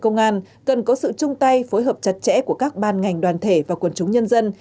với sự chung tay phối hợp chặt chẽ của các ban ngành đoàn thể và quần chúng nhân dân